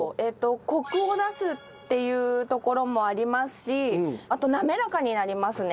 コクを出すっていうところもありますしあと滑らかになりますね。